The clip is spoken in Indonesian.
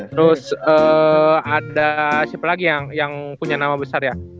terus ada siapa lagi yang punya nama besar ya